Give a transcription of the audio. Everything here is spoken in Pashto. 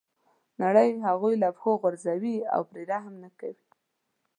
نړۍ هغوی له پښو غورځوي او پرې رحم نه کوي.